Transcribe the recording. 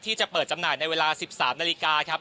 ที่จะเปิดจำหน่ายในเวลา๑๓นาฬิกาครับ